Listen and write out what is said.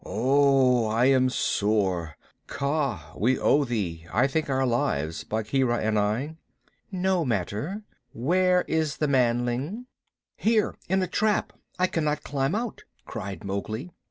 "Wow! I am sore. Kaa, we owe thee, I think, our lives Bagheera and I." "No matter. Where is the manling?" "Here, in a trap. I cannot climb out," cried Mowgli.